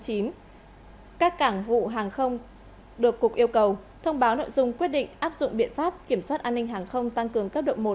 các cảng vụ hàng không được cục yêu cầu thông báo nội dung quyết định áp dụng biện pháp kiểm soát an ninh hàng không tăng cường cấp độ một